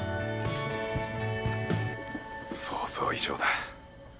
想像以上だ。